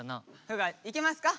風雅いけますか？